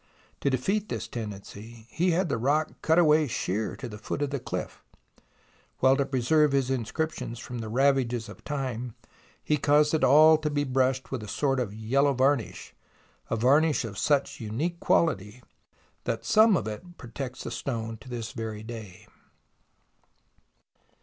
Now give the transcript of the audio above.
To defeat this tendency he had the rock cut away sheer to the foot of the cliff, while to preserve his inscription from the ravages of time he caused it all to be brushed with a sort of yellow varnish, a varnish of such unique quality that some of it protects the stone to this very day.